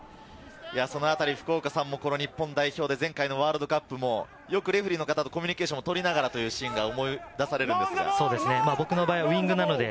福岡さんも日本代表で前回のワールドカップも、よくレフェリーの方とコミュニケーションを取りながらというシーンが思い出されます。